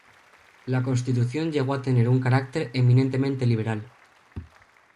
La Constitución llegó a tener un carácter eminentemente liberal.